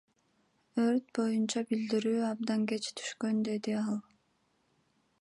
Өрт боюнча билдирүү абдан кеч түшкөн, — деди ал.